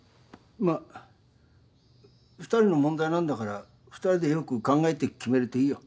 まっ２人の問題なんだから２人でよく考えて決めるといいよ。